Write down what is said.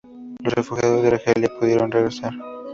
Los refugiados en Argelia pudieron regresar.